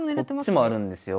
こっちもあるんですよ。